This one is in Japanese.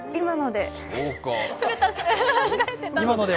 今ので。